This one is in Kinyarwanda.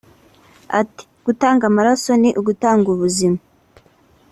Ati “Gutanga amaraso ni ugutanga ubuzima